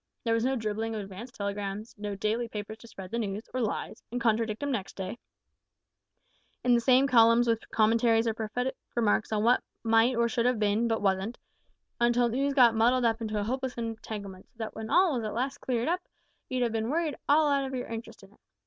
There was no dribbling of advance telegrams; no daily papers to spread the news (or lies), and contradict 'em next day, in the same columns with commentaries or prophetic remarks on what might or should have been, but wasn't, until news got muddled up into a hopeless entanglement, so that when all was at last cleared up you'd been worried out of all your interest in it!